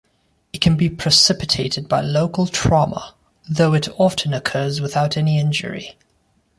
It can be precipitated by local trauma, though it often occurs without any injury.